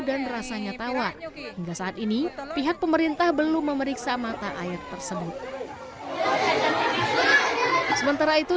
dan rasanya tawa hingga saat ini pihak pemerintah belum memeriksa mata air tersebut sementara itu